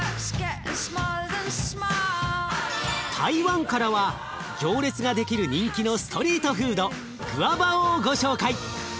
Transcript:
台湾からは行列ができる人気のストリートフードグアバオをご紹介。